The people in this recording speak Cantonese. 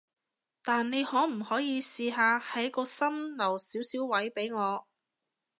但你可唔可以試下喺個心留少少位畀我？